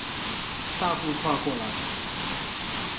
大步跨過來